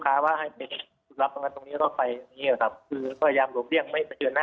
เราไปอย่างงี้แหละครับคือพยายามหลบเรื่องไม่เจอหน้า